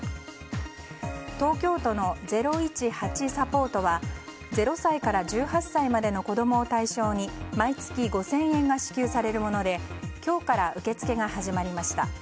東京都の０１８サポートは０歳から１８歳までの子供を対象に毎月５０００円が支給されるもので今日から受け付けが始まりました。